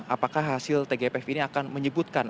apakah hasil tgpf ini akan menyebutkan